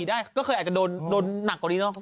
อางคืออาจจะโดนหนักกว่านี้เนอะ